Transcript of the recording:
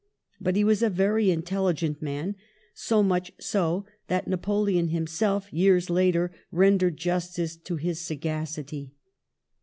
But he was a very intelligent man, so much so, that Napoleon himself years later rendered justice to his sagacity.